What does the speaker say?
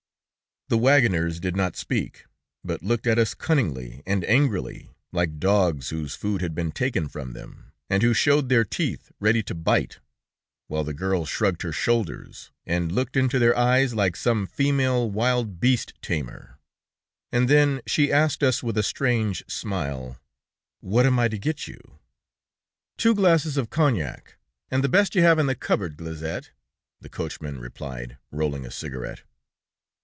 The wagoners did not speak, but looked at us cunningly and angrily, like dogs whose food had been taken from them, and who showed their teeth, ready to bite, while the girl shrugged her shoulders and looked into their eyes like some female wild beast tamer; and then she asked us with a strange smile: "What am I to get you?" "Two glasses of cognac, and the best you have in the cupboard," Glaizette, the coachman replied, rolling a cigarette.